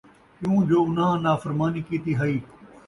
کیوں جو اُنھاں نافرمانی کِیتی ہئی ۔